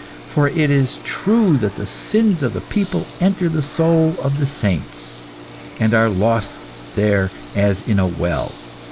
For it is true that the sins of the people enter the soul of the saints, and are lost there as in a well.